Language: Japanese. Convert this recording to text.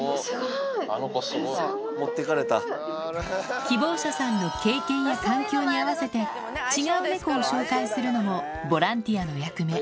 すごい。希望者さんの経験や環境に合わせて、違う猫を紹介するのもボランティアの役目。